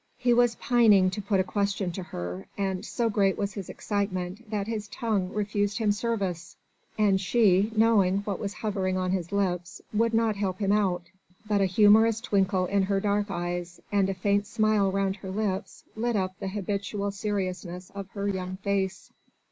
He was pining to put a question to her, and so great was his excitement that his tongue refused him service, and she, knowing what was hovering on his lips, would not help him out, but a humorous twinkle in her dark eyes, and a faint smile round her lips lit up the habitual seriousness of her young face.